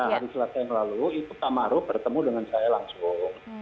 hari selasa yang lalu ibu tamaruk bertemu dengan saya langsung